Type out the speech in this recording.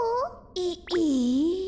ええ。